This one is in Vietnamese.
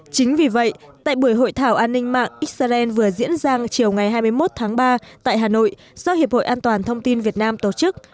chính vì vậy tại buổi hội thảo an ninh mạng israel vừa diễn ra chiều ngày hai mươi một tháng ba tại hà nội do hiệp hội an toàn thông tin việt nam tổ chức